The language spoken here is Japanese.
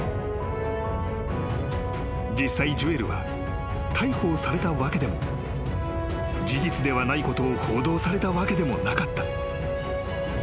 ［実際ジュエルは逮捕をされたわけでも事実ではないことを報道されたわけでもなかった］